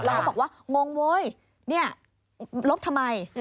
แล้วก็บอกว่างงเว้ยเนี่ยลบทำไม